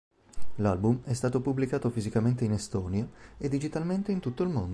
L'album è stato pubblicato fisicamente in Estonia e digitalmente in tutto il mondo.